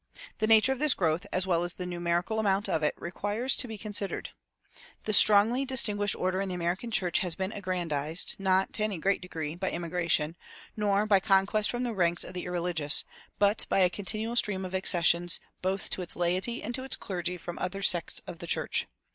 The nature of this growth, as well as the numerical amount of it, requires to be considered. This strongly distinguished order in the American church has been aggrandized, not, to any great degree, by immigration, nor by conquest from the ranks of the irreligious, but by a continual stream of accessions both to its laity and to its clergy from other sects of the church.